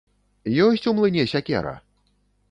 Ёсць у млыне сякера?